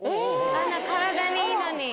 あんな体にいいのに。